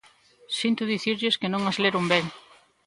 Sinto dicirlles que non as leron ben.